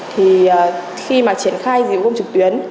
thì khi mà triển khai dịch vụ trực tuyến